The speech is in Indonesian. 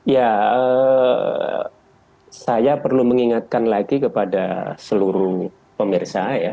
ya saya perlu mengingatkan lagi kepada seluruh pemirsa ya